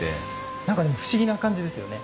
なんか不思議な感じですよね。